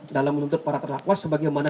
dalam menuntut para terdakwa sebagaimana